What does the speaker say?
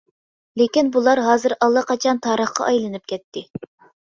لېكىن بۇلار ھازىر ئاللىقاچان تارىخقا ئايلىنىپ كەتتى.